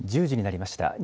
１０時になりました。